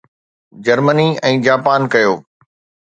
Germany ۽ Japan ڪيو